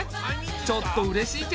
ちょっとうれしいけど。